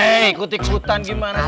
eh ikut ikutan gimana